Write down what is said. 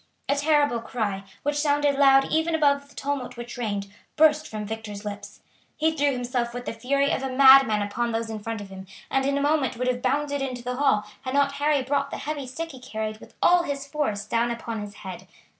A terrible cry, which sounded loud even above the tumult which reigned, burst from Victor's lips. He threw himself with the fury of a madman upon those in front of him, and in a moment would have bounded into the hall had not Harry brought the heavy stick he carried with all his force down upon his head.